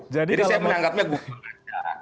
jadi saya menanggapnya bukan saja